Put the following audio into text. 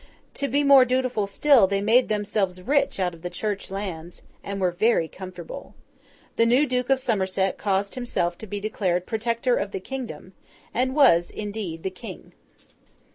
To be more dutiful still, they made themselves rich out of the Church lands, and were very comfortable. The new Duke of Somerset caused himself to be declared Protector of the kingdom, and was, indeed, the King.